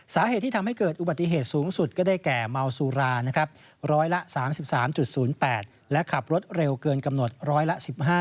สาเหตุที่ทำให้เกิดอุบัติเหตุสูงสุดก็ได้แก่เมาสุรานะครับร้อยละ๓๓๐๘และขับรถเร็วเกินกำหนดร้อยละ๑๕